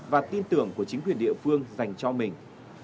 và tin tưởng của chính quyền địa phương dành cho mình